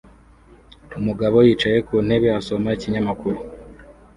Umugabo yicaye ku ntebe asoma ikinyamakuru